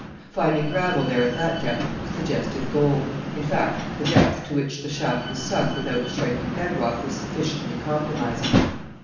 Finding gravel there at that depth suggested gold; in fact, the depth to which the shaft was sunk without striking bed rock was sufficiently compromising.